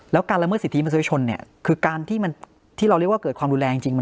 แล้วการระเมิดสิทธิประสุทธิชนเนี้ยคือการที่มันที่เราเรียกว่าเกิดความรุนแรงจริงจริง